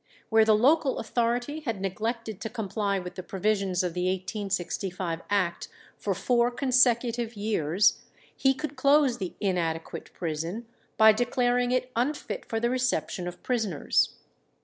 Where the local authority had neglected to comply with the provisions of the 1865 Act for four consecutive years, he could close the "inadequate" prison, by declaring it unfit for the reception of prisoners.